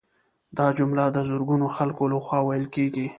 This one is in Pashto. دا جمله د زرګونو خلکو لخوا ویل کیږي